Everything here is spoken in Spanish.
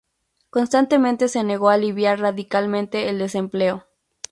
Constantemente se negó a aliviar radicalmente el desempleo.